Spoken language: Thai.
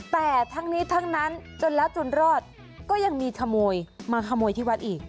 แต่ทั้งนี้ทั้งนั้นจนแล้วจนรอดก็ยังมีขโมยมาขโมยที่วัดอีก